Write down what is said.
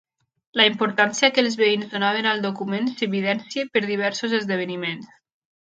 La importància que els veïns donaven al document s'evidencia per diversos esdeveniments.